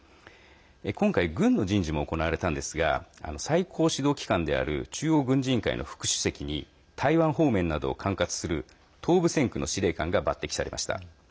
今回、軍の人事も行われたんですが最高指導機関である中央軍事委員会の副主席に台湾方面などを管轄する東部戦区の司令官が抜てきされました。